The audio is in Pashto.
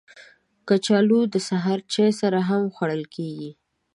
کچالو د سهار چای سره هم خوړل کېږي